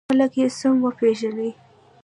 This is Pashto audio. خلک یې سم وپېژني.